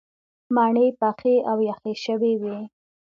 مڼې پخې او یخې شوې وې.